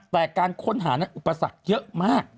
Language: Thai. แต่การค้นหานั้นอุปสรรคเยอะมาก